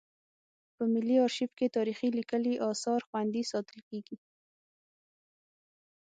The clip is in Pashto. په ملي ارشیف کې تاریخي لیکلي اثار خوندي ساتل کیږي.